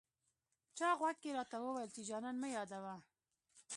چا غوږ کي راته وويل، چي جانان مه يادوه